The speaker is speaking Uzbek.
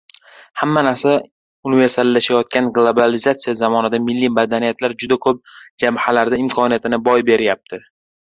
Hamma narsa universallashayotgan globalizatsiya zamonida milliy madaniyatlar juda ko‘p jabhalarda imkoniyatini boy beryapti.